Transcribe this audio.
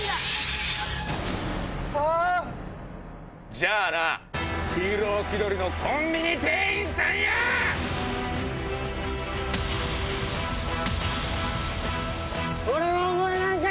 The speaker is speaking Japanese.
じゃあな、ヒーロー気取りのコンビニ店員さんよ！